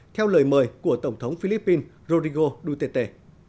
theo lời mời của tổng thống philippines rodrigo duterte